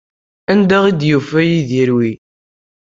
Anda ay d-yufa Yidir wi?